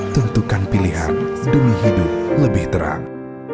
tentukan pilihan demi hidup lebih terang